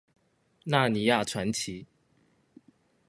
納尼亞傳奇